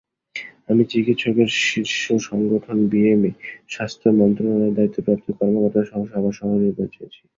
আমি চিকিৎসকদের শীর্ষ সংগঠন বিএমএ, স্বাস্থ্য মন্ত্রণালয়ের দায়িত্বপ্রাপ্ত কর্মকর্তাসহ সবার সহযোগিতা চেয়েছি।